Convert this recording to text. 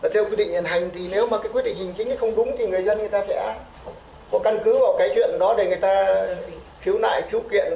và theo quyết định hành thì nếu mà cái quyết định hành chính không đúng thì người dân người ta sẽ có căn cứ vào cái chuyện đó để người ta phiếu nại phiếu kiện